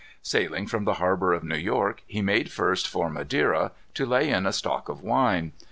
Sailing from the harbor of New York, he made first for Madeira, to lay in a stock of wine.